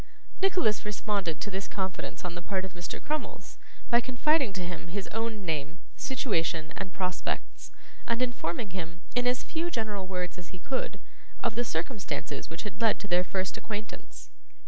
Nicholas responded to this confidence on the part of Mr. Crummles, by confiding to him his own name, situation, and prospects, and informing him, in as few general words as he could, of the circumstances which had led to their first acquaintance.